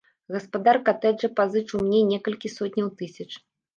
Гаспадар катэджа пазычыў мне некалькі сотняў тысяч!